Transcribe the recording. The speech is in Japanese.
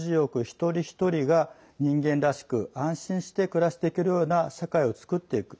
一人一人が人間らしく安心して暮らしていけるような社会を作っていく。